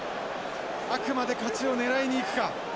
あくまで勝ちを狙いにいくか。